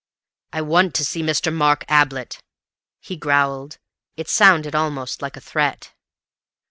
"I want to see Mr. Mark Ablett," he growled. It sounded almost like a threat.